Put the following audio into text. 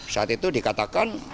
saat itu dikatakan